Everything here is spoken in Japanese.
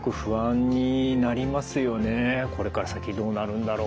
これから先どうなるんだろう？